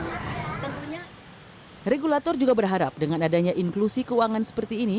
masyarakat yang jauh dari area perkotaan dapat menjangkau kegiatan transaksi dengan cara berbank